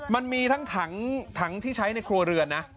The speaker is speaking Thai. มันมีทั้งถังที่ใช้ในครัวเรือนนะ